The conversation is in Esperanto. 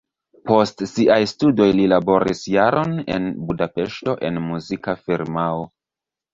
Post siaj studoj li laboris jaron en Budapeŝto en muzika firmao.